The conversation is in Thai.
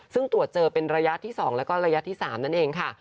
ซึ่งตรวจเจอเป็นระยะที่๒แล้วก็ระยะที่๓นั่นเองค่ะ